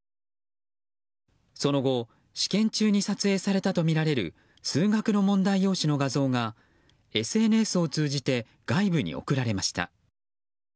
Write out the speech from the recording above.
その後、試験中に撮影されたとみられる数学の問題用紙の画像がＳＮＳを通じて外部に送られました。